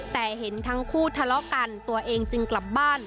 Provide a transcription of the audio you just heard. แต่เห็นทั้งคู่ทะเลาะกันตัวเองจึงกลับบ้าน